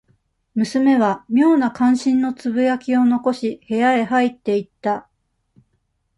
娘は、妙な関心のつぶやきを残し、部屋へ入っていった。